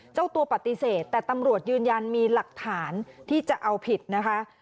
เจ้าตัวปฏิเสธแต่ตำรวจยืนยันมีหลักฐานที่จะเอาผิดนะคะ